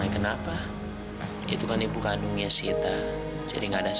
segentusu kalau mama dewi banggun